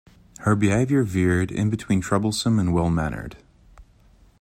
Her behavior veered in between troublesome and well-mannered.